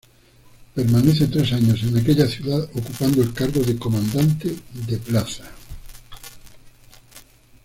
Permanece tres años en aquella ciudad, ocupando el cargo de Comandante de plaza.